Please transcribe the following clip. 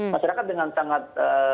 masyarakat dengan sangat